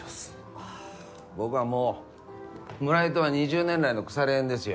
はぁ僕はもう村井とは２０年来の腐れ縁ですよ。